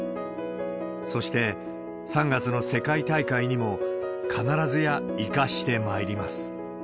そして３月の世界大会にも、必ずや生かしてまいります。